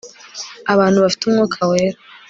abantu bafite umwuka wera